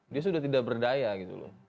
dia sudah tidak berdaya gitu loh